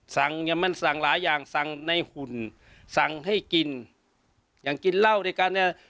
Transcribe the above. เนี่ยมันสั่งหลายอย่างสั่งในหุ่นสั่งให้กินอย่างกินเหล้าด้วยกันเนี่ย